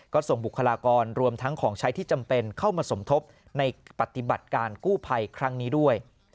ก็ส่งบุคลากรรวมทั้งของใช้ที่จำเป็นเข้ามาสมทบในปฏิบัติการกู้ภัยครั้งนี้ด้วย